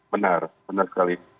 benar benar sekali